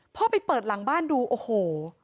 ไปเปิดหลังบ้านดูโอ้โห